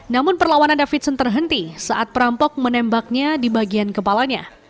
namun perlawanan davidson terhenti saat perampok menembaknya di bagian kepalanya